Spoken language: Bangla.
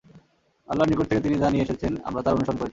আল্লাহর নিকট থেকে তিনি যা নিয়ে এসেছেন আমরা তার অনুসরণ করেছি।